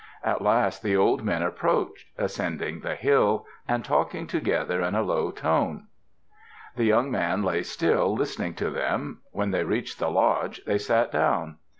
At last the old men approached, ascending the hill, and talking together in a low tone. The young man lay still, listening to them. When they reached the lodge, they sat down.